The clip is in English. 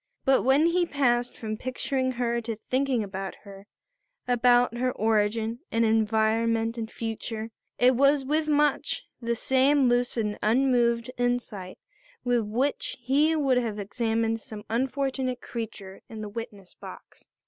But when he passed from picturing her to thinking about her, about her origin and environment and future, it was with much the same lucid and unmoved insight with which he would have examined some unfortunate creature in the witness box.